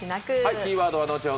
キーワードは後ほど